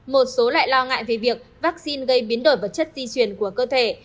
một số lại lo ngại về việc vaccine gây biến đổi vật chất di chuyển của cơ thể